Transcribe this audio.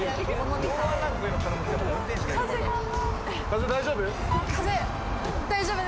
風、大丈夫？